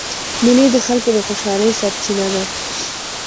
مېلې د خلکو د خوشحالۍ سرچینه ده.